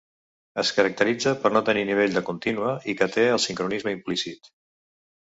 Es caracteritza per no tenir nivell de contínua i que té el sincronisme implícit.